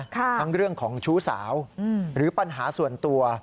ทั้งเรื่องของชู้สาวหรือปัญหาส่วนตัว